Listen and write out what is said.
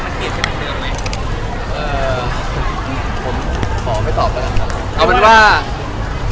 เอ่อผมขอไม่ตอบแล้วกันครับ